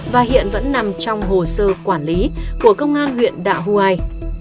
đặc biệt linh vẫn nằm trong hồ sơ quản lý của công an huyện đạ huai